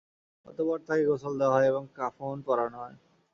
অতঃপর তাকে গোসল দেওয়া হয় এবং কাফন পরানো হয়।